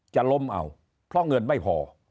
จะล้มเอาเพราะเงินไม่พอ